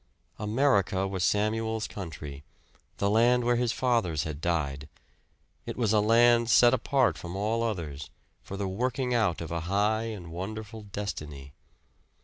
America was Samuel's country, the land where his fathers had died. It was a land set apart from all others, for the working out of a high and wonderful destiny.